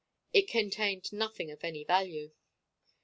It contained nothing of any value.